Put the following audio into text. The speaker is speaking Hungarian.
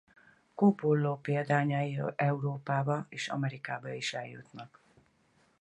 Kóborló példányai Európába és Amerikába is eljutnak.